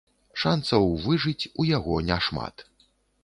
Шанцаў выжыць у яго не шмат.